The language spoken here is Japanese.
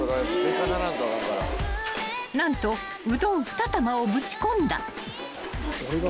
［何とうどん２玉をぶち込んだ］